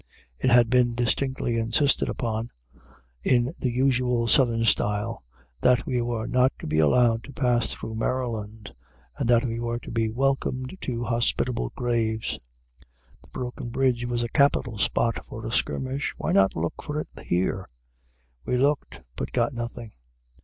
It had been distinctly insisted upon, in the usual Southern style, that we were not to be allowed to pass through Maryland, and that we were to be "welcomed to hospitable graves." The broken bridge was a capital spot for a skirmish. Why not look for it here? We looked; but got nothing.